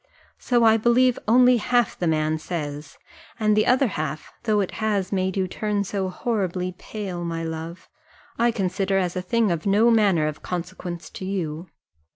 So I believe only half the man says; and the other half, though it has made you turn so horribly pale, my love, I consider as a thing of no manner of consequence to you."